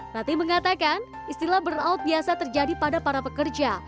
rati mengatakan istilah burnout biasa terjadi pada para pekerja